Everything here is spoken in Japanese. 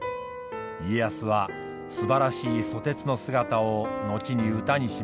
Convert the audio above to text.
家康はすばらしい蘇鉄の姿を後に歌にしました。